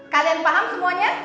kalian paham semuanya